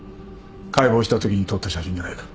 解剖したときに撮った写真じゃないか。